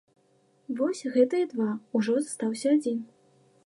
Вось гэтыя два, ужо застаўся адзін.